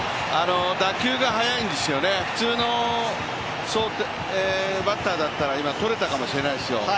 打球が速いんですよね、普通のバッターだったら今とれたかもしれないですよ。